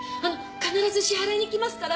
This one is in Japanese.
必ず支払いにきますから。